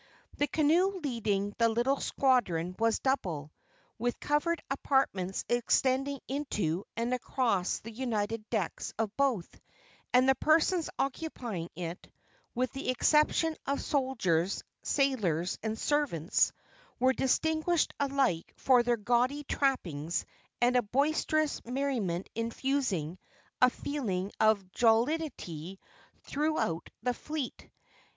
The canoe leading the little squadron was double, with covered apartments extending into and across the united decks of both, and the persons occupying it, with the exception of soldiers, sailors and servants, were distinguished alike for their gaudy trappings and a boisterous merriment infusing a feeling of jollity throughout the fleet.